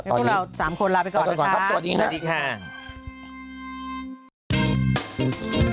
ตอนนี้พวกเรา๓คนลาไปก่อนนะคะสวัสดีค่ะสวัสดีค่ะสวัสดีค่ะสวัสดีค่ะ